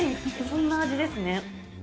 そんな味ですね。